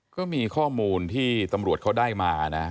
ก็มีข้อมูลที่ตำรวจเขาได้มานะ